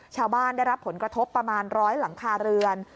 ชาวบ้านได้รับผลกระทบประมาณ๑๐๐หลังคาเรือน